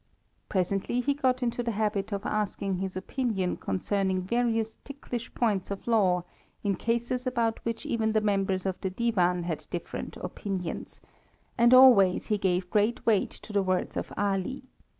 Presently he got into the habit of asking his opinion concerning various ticklish points of law in cases about which even the members of the Divan had different opinions, and always he gave great weight to the words of Ali.